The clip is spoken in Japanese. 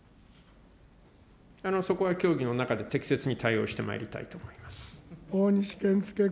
そこは協議の中で適切に対応してまいりたいと思います。